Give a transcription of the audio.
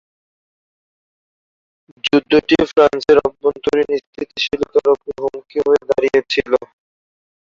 যুদ্ধটি ফ্রান্সের অভ্যন্তরীণ স্থিতিশীলতার উপর হুমকি হয়ে দাঁড়িয়েছিল।